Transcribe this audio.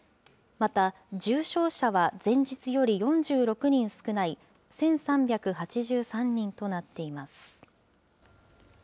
また重症者は前日より４６人少ない１３８３人となっています。